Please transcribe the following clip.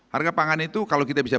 harga pangan itu kalau kita bisa